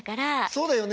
そうだよね。